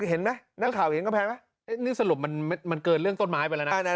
เห็นไหมนักข่าวเห็นกำแพงไหมนี่สรุปมันเกินเรื่องต้นไม้ไปแล้วนะ